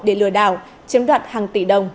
để lừa đảo chiếm đoạn hàng tỷ đồng